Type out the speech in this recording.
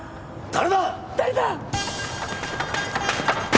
誰だ？